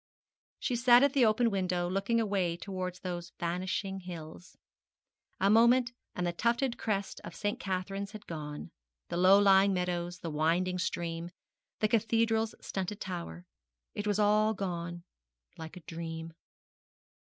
She sat at the open window, looking away towards those vanishing hills. A moment, and the tufted crest of St. Catherine's had gone the low lying meadows the winding stream the cathedral's stunted tower it was all gone, like a dream.